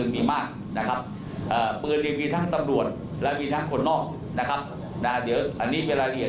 จะคือทั้งตับรวจและไปทั้งคนนอกนะครับอันนี้จะราลเถียร